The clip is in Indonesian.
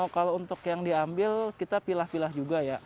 kalau untuk yang diambil kita pilah pilah juga ya